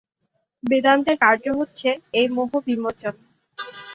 বেদান্তের কার্য হচ্ছে এই মোহ-বিমোচন।